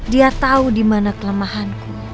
dia tahu dimana kelemahanku